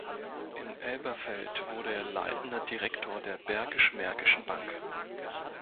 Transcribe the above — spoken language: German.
In Elberfeld wurde er leitender Direktor der Bergisch-Märkischen Bank.